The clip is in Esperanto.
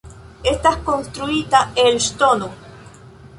Estas konstruita el ŝtono.